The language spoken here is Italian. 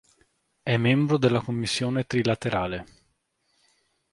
È membro della Commissione Trilaterale.